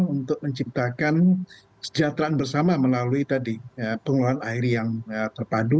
untuk menciptakan kesejahteraan bersama melalui tadi pengelolaan air yang terpadu